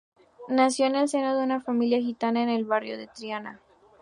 Nació en el seno de una familia gitana en el barrio de Triana.